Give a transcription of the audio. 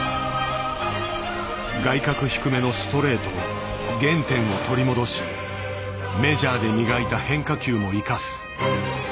外角低めのストレート原点を取り戻しメジャーで磨いた変化球も生かす。